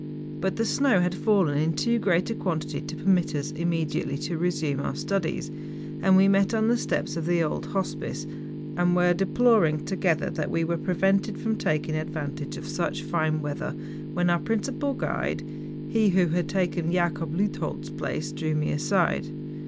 But the snow had fallen in too great a quantity to permit us immediately to resume our studies, and we met on the steps of the old hospice, and were deploring together that we were prevented from taking ad¬ vantage of such fine weather, when our principal guide, he who had taken Jacob Leuthold's place, drew me aside.